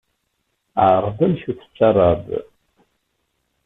Ɛreḍ amek ur tettarraḍ.